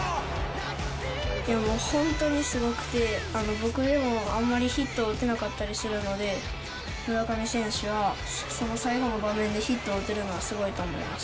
もう本当にすごくて、僕でもあんまりヒットを打てなかったりするので、村上選手はその最後の場面で、ヒットを打てるのはすごいと思います。